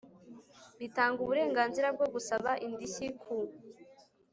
bitanga uburenganzira bwo gusaba indishyi ku